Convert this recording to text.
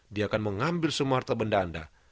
dia akan mengambil semua harta benda anda